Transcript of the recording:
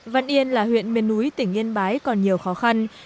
văn yên là huyện miền núi tỉnh yên bái còn nhiều khó khăn